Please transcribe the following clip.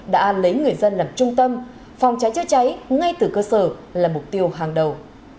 đã lấy người dân làm trung tâm phòng cháy chữa cháy ngay từ cơ sở là mục tiêu hàng đầu